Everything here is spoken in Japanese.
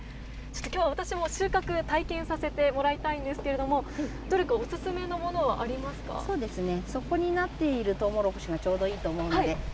きょう、私も収穫、体験させてもらいたいんですけれども、どれかそうですね、そこになっているトウモロコシがちょうどいいと思うので。